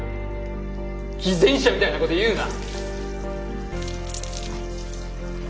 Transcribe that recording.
偽善者みたいなこと言うな。